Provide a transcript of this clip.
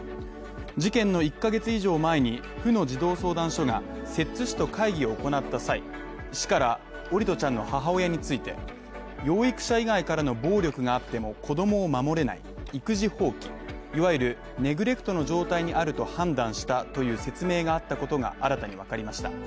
事件の１ヶ月以上前に、府の児童相談所が摂津市と会議を行った際市から桜利斗ちゃんの母親について、養育者以外からの暴力があっても子供を守れない、育児放棄、いわゆるネグレクトの状態にあると判断したという説明があったことが新たにわかりました。